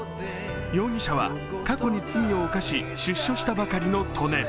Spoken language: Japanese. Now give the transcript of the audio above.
容疑者は過去に罪を犯し、出所したばかりの利根。